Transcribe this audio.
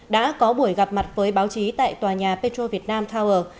đã có buổi gặp mặt với báo chí tại tòa nhà petro vietnam tower